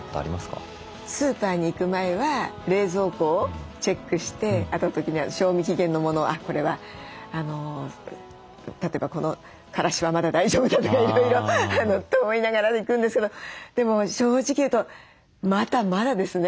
スーパーに行く前は冷蔵庫をチェックしてあと時には賞味期限のものをこれは例えばこのからしはまだ大丈夫だとかいろいろと思いながら行くんですけどでも正直言うとまだまだですね。